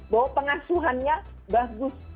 bahwa pengasuhannya bagus